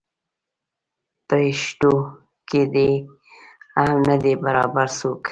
پریشتو کې دې هم نه دی برابر څوک.